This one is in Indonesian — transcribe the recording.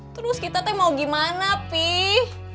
terus kita teh mau gimana pih